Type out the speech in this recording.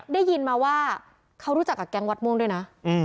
ได้ยินมาว่าเขารู้จักกับแก๊งวัดม่วงด้วยนะ